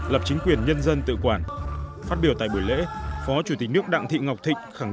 lập chính quyền nhân dân tự quản phát biểu tại buổi lễ phó chủ tịch nước đặng thị ngọc thịnh khẳng